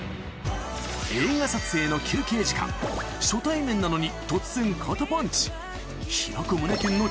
映画撮影の休憩時間、初対面なのに突然、肩パンチ。